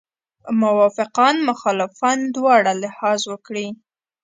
موافقان مخالفان دواړه لحاظ وکړي.